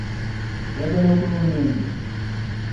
Oyagala okulunda ente?